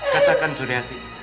katakan suri hati